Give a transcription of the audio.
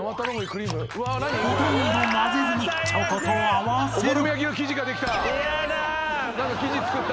［ほとんど混ぜずにチョコと合わせる］